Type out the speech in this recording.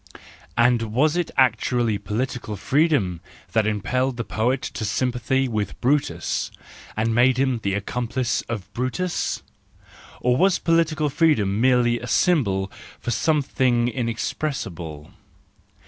— And was it actually political freedom that impelled the poet to sympathy with Brutus,—and made him the accomplice of Brutus ? Or was political freedom merely a symbol for something inexpressible